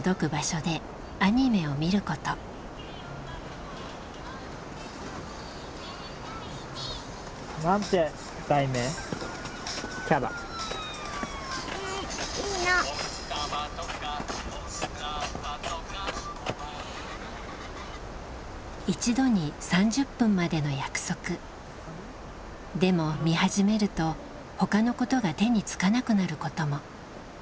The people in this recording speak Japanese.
でも見始めると他のことが手につかなくなることも。